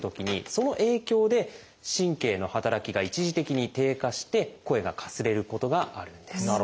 その影響で神経の働きが一時的に低下して声がかすれることがあるんです。